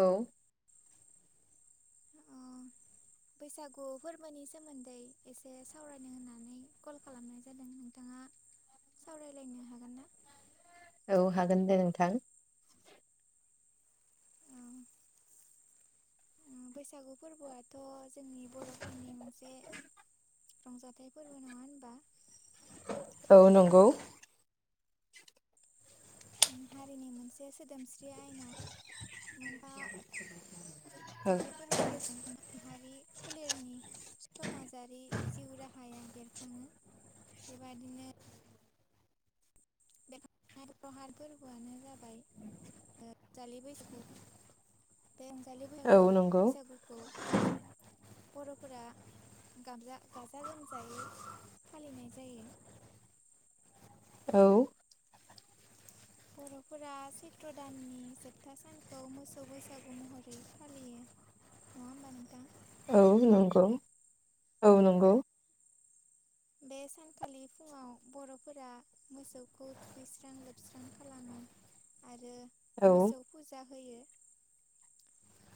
औ। अ बैसागु फोरबोनि सोमोन्दै एसे सावरायनो होननानै कल खालामनाय जादों नोंथाङा सावरायलायनो हागोन ना? औ हागोन दे नोंथां। बैसागु फोरबोआथ' जोंनि बर'फोरनि मोनसे रंजाथाइ फोरबो नङा होनबा? औ नंगौ। हारिनि मोनसे सोदोमस्रि आयना मोनबा जाथाइ फोरबोनि जे माहारि फोलेरनि समाजारि जिउ राहाया बेरखाङो बेबादिनो बे प्रहात फोरबोआनो जाबाय रंजालि बैसागु। बे अनजालि औ बैयाखौ नंगौ बैसागुखौ बर'फोरा गागजा गाजा गोमजायै फालिनाय जायो‌। औ बर'फोरा सैत्र दाननि जोबथा सानखौ मोसौ बैसागु महरै फालियो नङा होमबा नोंथां? औ नंगौ। औ नंगौ बे सानखालि फुङाव बर'फोरा मोसौखौ थुखैस्रां लोबस्रां खालामो आरो औ मोसौ फुजा होयो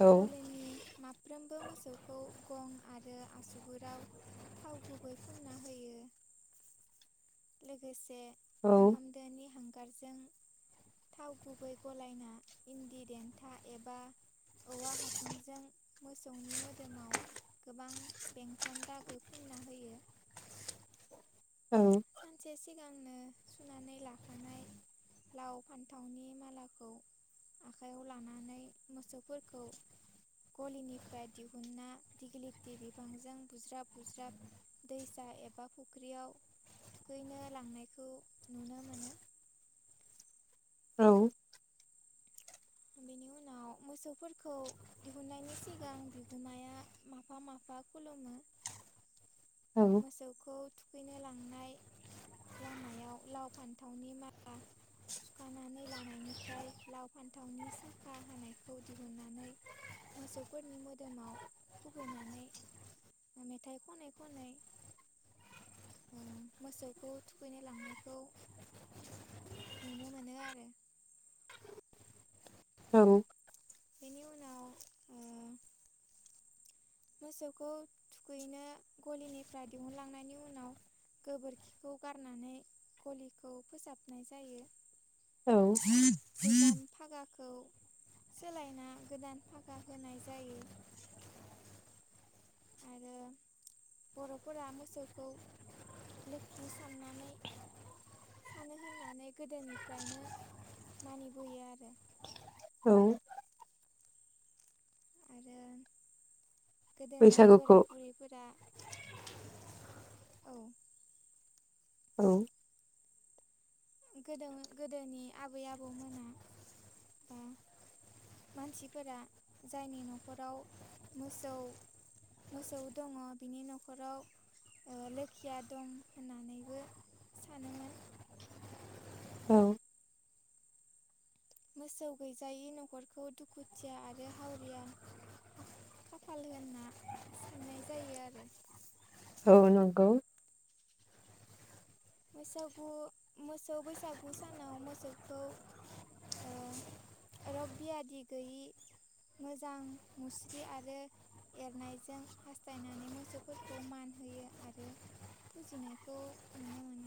औ गलनि माफ्रोमबो मोसौखौ गं आरो आसुगुराव थाव गुबै फुन फुनना होयो लोगोसे औ ओंखामदोनि हांगारजों थाव गुबै गलायना इन्दि देन्था एबा औवा हासुंजों मोसौनि मोदोमाव गोबां बेंखन दागो फुनना होयो। औ सानसे सिगांनो सुनानै लाखानाय लाव फान्थावनि मालाखौ आखाइयाव लानानै मोसौफोरखौ गलिनिफ्राय दिहुनना दिग्लिथि बिबांजों बुज्राब बुज्राब दैसा एबा फुख्रियाव। थुखैनो लांनायखौ नुनो मोनो। औ बिनि उनाव मोसौफोरखौ दिहुननायनि सिगां बिगोमाया माफा माफा खुलुमो मोसौखौ थुखैनो लांनाय लामायाव लाव फान्थावनि माला सुखानानै लानायनिफ्राय लाव फान थावनि साखा हानायखौ दिहुन्नानै मोसौफोरनि मोदोमाव खुबैनानै मेथाइ खनै खनै ओ मोसौखौ थुखैनो लांनायखौ नुनो मोनो आरो [inaudible] बिनि उनाव ओ मोसौखौ थुखैनो गलिनिफ्राय दिहुनलांनायनि उनाव गोबोरखिखौ गारनानै गलिखौ फोसाबनाय जायो औ गोजाम फागाखौ सोलायना गोदान फागा होनाय जायो। आरो बर'फोरा मोसौखौ लोखि साननानै सानो होननानै गोदोनिफ्रायनो मानिबोयो आरो औ आरो गोदोनि बैसागुखौ बोराय बुरैफोरा औ औ गोदो-गोदोनि आबै आबौमोना बा मानसिफोरा जायनि न'खराव मोसौ-मोसौ दङ बिनि न'खराव ओ लोखिया दं होननानैबो सानोमोन। औ मोसौ गैजायै न'खरखौ दुखुथिया आरो हावरिया खा-खाफाल होनना साननाय जायो आरो औ नंगौ मैसागु मोसौ बैसागु सानाव मोसौखौ ओ रग बियादि गैयि मोजां मुस्रि आरो एरनायजों हास्थायनानै मोसौफोरखौ मान होयो आरो फुजिनायखौ नुनो मोनो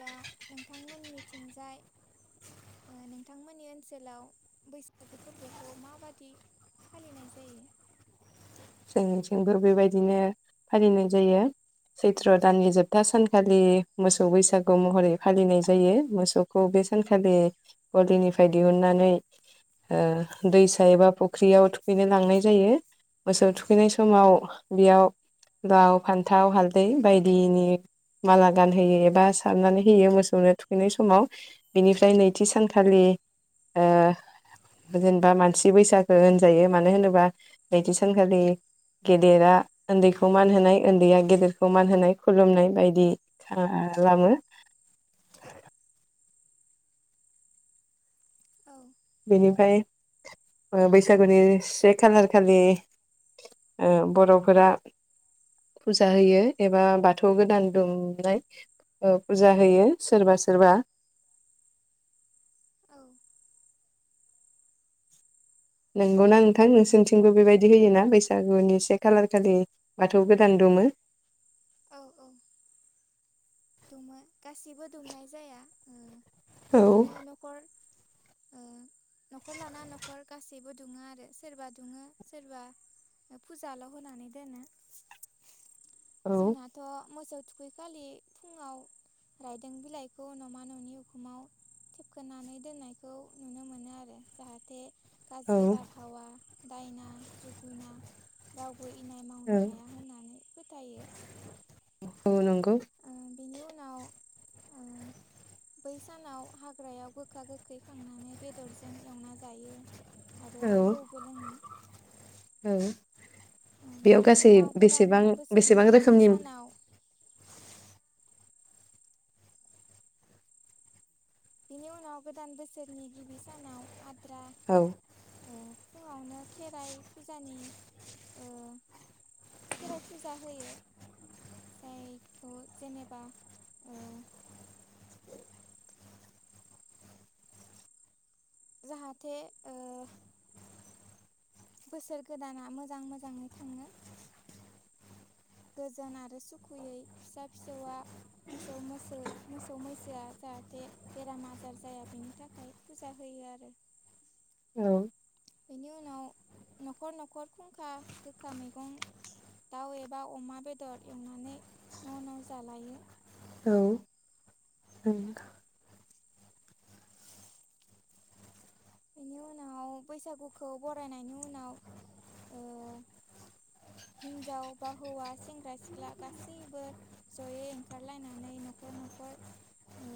दा नोंथांमोननिथिंजाय ओ नोंथांमोननि ओनसोलाव बैसागु फोरबोखौ माबादि फालिनाय जायो? जोंनिथिंबो बेबायदिनो फालिनाय जायो सैथ्र दाननि जोबथा सानखालि मोसौ बैसागु महरै फालिनाय जायो। मोसौखौ बे सानखालि गलिनिफ्राय दिहुननानै ओ दैसा एबा फुख्रियाव थुखैनो लांनाय जायो मोसौ थुखैनाय समाव बेयाव लाउ फान्थाव हालदै बायदिनि माला गानहोयो एबा सारनानै होयो मोसौनो थुखैनाय समाव बिनिफ्राय नैथि सानखालि ओ जेनबा मानसि बैसागो होनजायो मानो होनोबा नैथि सा ऐखालि गेदेरा उन्दैखौ मान होनाय उन्दैया गेदेरखौ मान होनाय खुलुमनाय बायदि खालामो औ बेनिफ्राय ओ बैसागुनि से खालार खालि ओ बर'फोरा फुजा होयो एबा बाथौ गोदान दोमनाय ओ फुजा होयो सोरबा सोरबा औ नोंगौना नोंथां नोंसोरनिथिंबो बेबायदि होयोना बैसागुनि से खालार खालि बाथौ गोदान दुमो औ औ दुमो गासिबो दुमनाय जाया ओ औ बिदिनो नखर ओ न'खर लाना न'खर गासैबो दुमा आरो सोरबा दुमो सोरबा फुजाल' होनानै दोनो औ जोंनाथ' मोसौ थुखैखालि फुङाव रायदों बिलाइखौ न'मा न'नि उखुमाव थेबखनानै दोननायखौ नुनो मोनो आरो जाहाथे गाज्रि बारहावा दायना जोगुना राव बो इनाय मावनो औ हाया होननानै फोथायो ओ नों ओ बेनि उनाव ओ बै सानाव हाग्रायाव गोखा गोखै खांनानै बेदरजों एवना जायो। आरो औ जौबो लोङो। औ बेयाव बिनि गासै उनाव गोदान बेसेबां बोसोरनि बेसेबां गिबि रोखोमनि सानाव बिनि उनाव गोदान बोसोरनि गिबि सानाव आद्रा औ। ओ फुङावनो खेराइ फुजानि ओ खेराइ फुजा होयो जायखौ जेनेबा जाहाथे ओ बोसोर गोदाना मोजां मोजाङै थाङो। गोजोन आरो सुखुयै फिसा फिसौआ मोसौ मोस मोसौ मैसोआ जाहाथे बेराम आजार जाया बेनि थाखाय फुजा होयो आरो। औ बेनि उनाव न'खर न'खर खुंखा गोखा मैगं दाउ एबा अमा बेदर एवनानै न' न' जालायो। बेनि उनाव बैसागुखौ बरायनायनि उनाव ओ हिन्जाव बा हौवा सेंग्रा सिख्ला गासैबो जयै ओंखारलायनानै न'खर न'खर ओ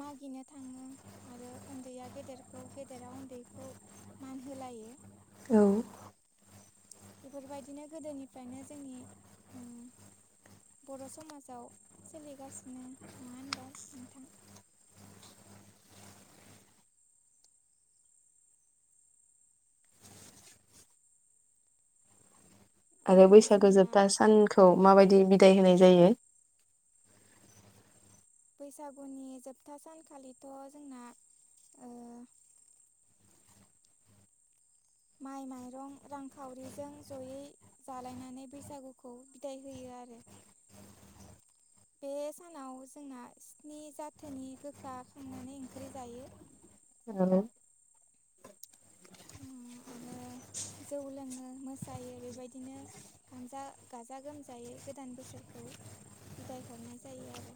मागिनो थाङो आरो उन्दैया गेदेरखौ गेदेरा उन्दैखौ मान होलायो। औ बेफोरबायदिनो गोदोनिफ्रायनो जोंनि बर' समाजाव सोलिगासिनो नङा होनबा नोंथां? आरो बैसागो जोबथा सानखौ माबायदि बिदाय होनाय जायो? बैसागुनि जोबथा सानखालिथ' जोंना ओ माइ माइरं रांखावरिजों जयै जालायनानै बैसागुखौ बिदाय होयो आरो बे सानाव जोंना स्नि जाथोनि गोखा खांनानै ओंख्रि जायो। आरो जौ लोङो मोसायो बेबायदिनो गानजा गाजा गोमजायै गोदान बोसोरखौ बिदाय हरनाय जायो आरो।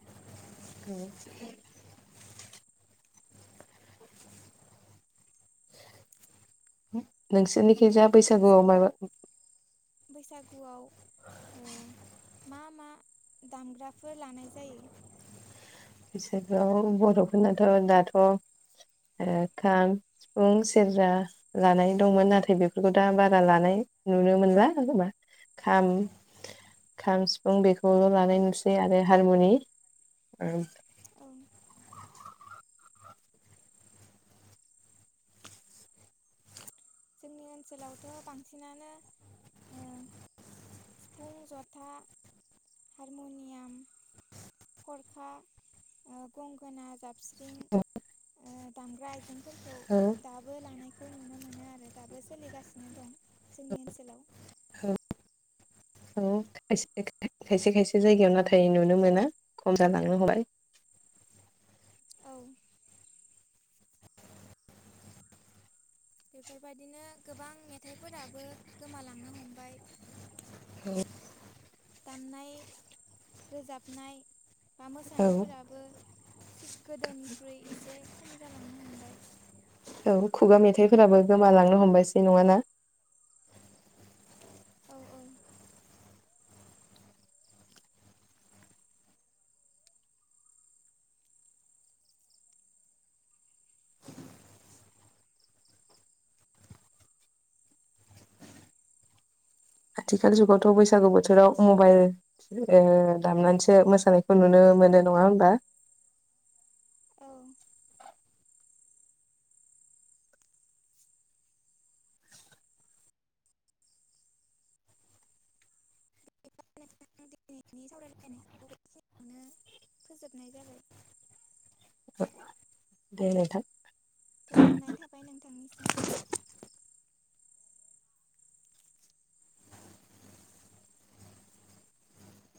नोंसोरनिखिजा नोंथांमोननि बैसागुआव माबा ओनसोलाव बैसागुआव ओ मा मा दामग्राफोर लानाय जायो? बैसागोयाव बर'फोरनाथ' दाथ' ओ खाम सिफुं सेरजा लानाय दंमोन नाथाय बेफोरखौ दा बारा लानाय नुनो मोनला जबा खाम खाम सिफुं बेखौल' लानाय नुसै आरो हारमुनि औ। जोंनि ओनसोलावथ' बांसिनानो ओ सिफुं जथा हारमुनियाम खरखा ओ गंगोना जाबस्रिं ओ दामग्रा आइजेंफोर खौ दाबो लानाय खौ नुनो मोनो आरो। दाबो सोलिगासिनो दं जोंनि ओनसोलाव औ खायसे खायसे जायगायाव नाथाय नुनो मोना खम जालांनो हमबाय। औ बेफोरबायदिनो गोबां मेथाइफोराबो गोमालांनो हमबाय। औ। दामनाय रोजाबनाय बा औ मोसानायफोराबो गोदोनिख्रुय एसे खम जालांनो हमबाय। औ खुगा मेथाइफोराबो गोमालांनो हमबायसै नङाना? औ औ। आथिखाल जुगावथ' बैसागु बोथोराव मबाइल ओ दामनानैसो मोसानायखौ नुनो मोनो नङा होनबा? औ। नोंथां [unintelligible] फोजोबनाय जाबाय। अ दे नोंथां। गोजोननाय थाबाय नोंथांनिसिम।